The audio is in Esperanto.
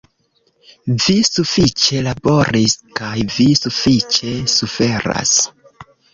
Vi sufiĉe laboris kaj Vi sufiĉe suferas!